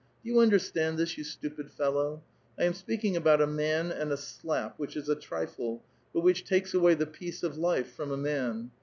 Do you understand this, you stupid fellow ? I am speaking about a man and a slap, which is a trifle, but which takes awa^^ the ])eace of life from a man.